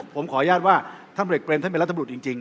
ผมขออนุญาตว่าท่านพลังเอกเตรนดินสุรรณนท์เป็นรัฐบรุษจริง